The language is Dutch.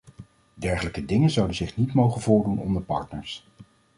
Dergelijke dingen zouden zich niet mogen voordoen onder partners.